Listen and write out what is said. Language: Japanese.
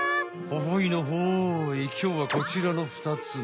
ほほいのほいきょうはこちらのふたつ。